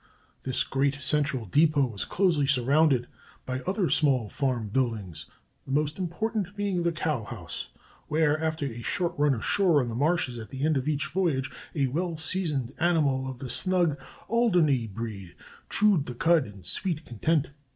This great central depôt was closely surrounded by other small farm buildings, the most important being the cow house, where, after a short run ashore on the marshes at the end of each voyage, a well seasoned animal of the snug Alderney breed chewed the cud in sweet content.